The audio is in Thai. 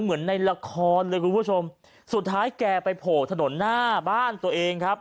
เหมือนในละครเลยคุณผู้ชมสุดท้ายแกไปโผล่ถนนหน้าบ้านตัวเองครับ